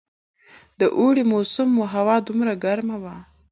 د اوړي موسم وو، هوا دومره ګرمه وه.